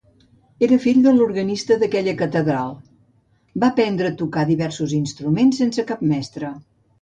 Era fill de l'organista d'aquella catedral, va aprendre a tocar diversos instruments sense cap mestre.